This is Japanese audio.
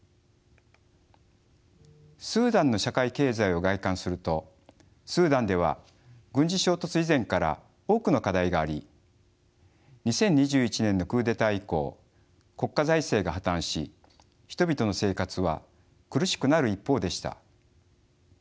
スーダンの社会経済を概観するとスーダンでは軍事衝突以前から多くの課題があり２０２１年のクーデター以降国家財政が破綻し人々の生活は苦しくなる一方でした。